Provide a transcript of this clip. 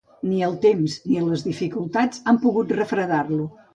Ni el temps ni les dificultats han pogut refredar-lo.